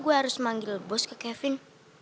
gue harus manggil bos ke kevin